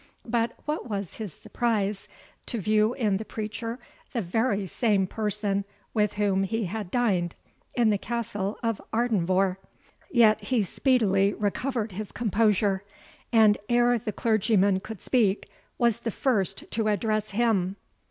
But what was his surprise to view in the preacher the very same person with whom he had dined in the castle of Ardenvohr! Yet he speedily recovered his composure; and ere the clergyman could speak, was the first to address him.